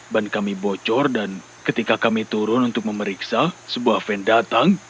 ban kami bocor dan ketika kami turun untuk memeriksa sebuah van datang